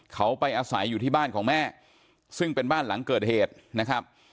เขาไปอาศัยอยู่ที่บ้านของแม่ซึ่งเป็นบ้านหลังเกิดเหตุนะครับ